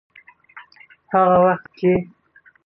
هغه وخت چې.